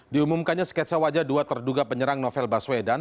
diumumkannya sketsa wajah dua terduga penyerang novel baswedan